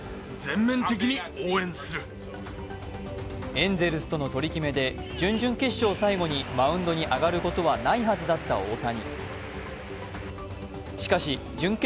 エンゼルスとの取り決めで、準々決勝を最後にマウンドに上がることはないはずだった大谷。